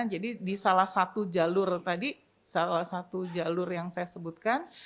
jadi di salah satu jalur yang saya sebutkan